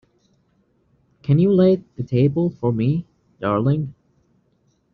Can you lay the table for me, darling?